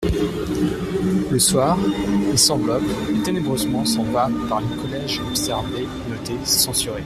Le soir, il s'enveloppe, et ténébreusement s'en va par les collèges observer, noter, censurer.